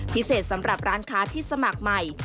สำหรับร้านค้าที่สมัครใหม่